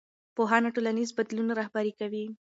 پوهنه ټولنیز بدلون رهبري کوي